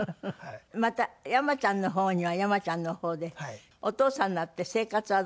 また山ちゃんの方には山ちゃんの方でお父さんになって生活はどうですか？